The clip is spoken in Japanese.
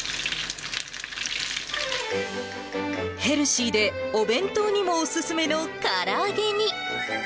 ヘルシーでお弁当にもお勧めのから揚げに。